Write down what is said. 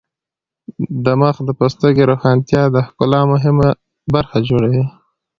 د مخ د پوستکي روښانتیا د ښکلا مهمه برخه جوړوي.